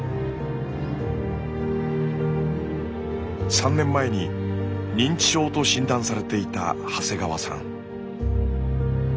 ３年前に認知症と診断されていた長谷川さん。